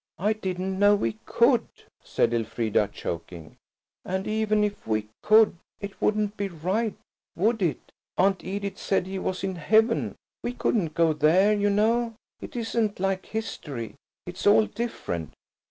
"I didn't know we could," said Elfrida, choking. "And even if we could, it wouldn't be right, would it? Aunt Edith said he was in heaven. We couldn't go there, you know. It isn't like history–it's all different."